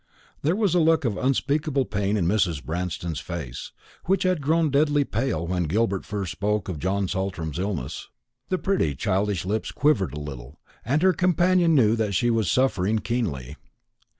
There was a look of unspeakable pain in Mrs. Branston's face, which had grown deadly pale when Gilbert first spoke of John Saltram's illness. The pretty childish lips quivered a little, and her companion knew that she was suffering keenly.